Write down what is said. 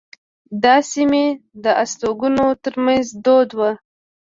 دا د سیمې د استوګنو ترمنځ دود وو.